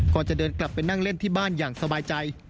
ก่อนจะเดินกลับไปนั่งเล่นที่บ้านอย่างสบายใจ